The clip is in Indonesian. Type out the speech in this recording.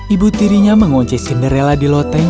ibu tirinya mengonce cinderella di loteng